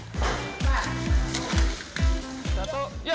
untuk yang terakhir kita akan memasak kerang